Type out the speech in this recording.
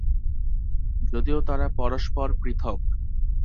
যদিও তারা পরস্পর পৃথক।